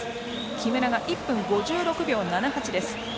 木村は１分５６秒７８です。